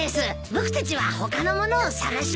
僕たちは他の物を探します。